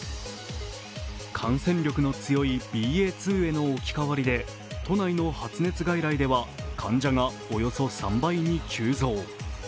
感染力の強いＢＡ．２への置き換わりで都内の発熱外来では患者がおよそ３倍に急増。